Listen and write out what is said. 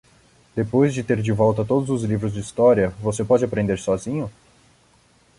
Depois de ter de volta todos os livros de história, você pode aprender sozinho?